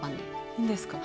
いいんですか？